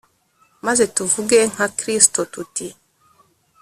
maze tuvuge nka Kristo tuti